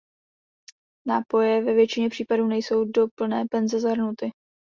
Nápoje ve většině případů nejsou do plné penze zahrnuty.